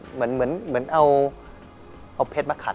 เหมือนเอาเพชรมาขัด